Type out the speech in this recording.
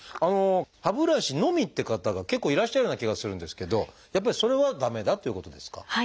歯ブラシのみって方が結構いらっしゃるような気がするんですけどやっぱりそれは駄目だということですか？